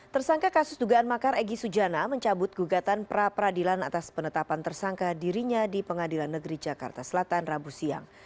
tersangka kasus dugaan makar egy sujana mencabut gugatan pra peradilan atas penetapan tersangka dirinya di pengadilan negeri jakarta selatan rabu siang